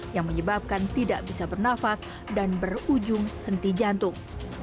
yang menyebabkan tidak bisa bernafas dan berujung henti jantung